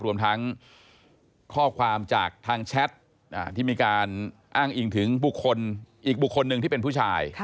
รวมทั้งข้อความจากทางแชทที่มีการอ้างอิงถึงบุคคลอีกบุคคลหนึ่งที่เป็นผู้ชาย